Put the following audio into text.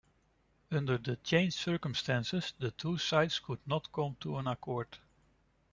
Under the changed circumstances, the two sides could not come to an accord.